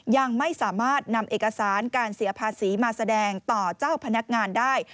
ยังไม่สามารถนำเอกสารการเสียภาษีมาแสดงต่อเจ้าพนักงานได้